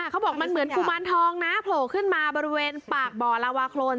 เขาบอกมันเหมือนกุมารทองนะโผล่ขึ้นมาบริเวณปากบ่อลาวาโครน